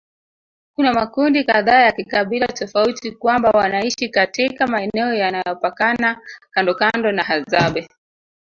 Kuna makundi kadhaa ya kikabila tofauti kwamba wanaishi katika maeneo yanayopakana kandokando na Hadzabe